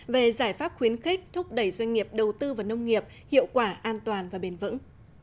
về giải pháp khuyến khích thúc đẩy doanh nghiệp đầu tư vào nông nghiệp hiệu quả an toàn và bền vững